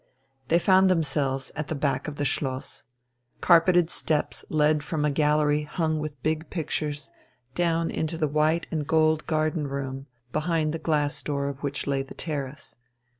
They found themselves at the back of the Schloss. Carpeted steps led from a gallery hung with big pictures, down into the white and gold garden room, behind the glass door of which lay the terrace.